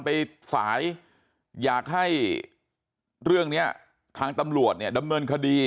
ฝ่ายอยากให้เรื่องนี้ทางตำรวจเนี่ยดำเนินคดี